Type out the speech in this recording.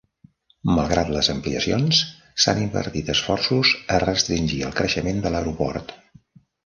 Malgrat les ampliacions, s'han invertit esforços a restringir el creixement de l'aeroport.